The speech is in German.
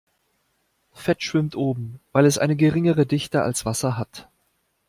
Fett schwimmt oben, weil es eine geringere Dichte als Wasser hat.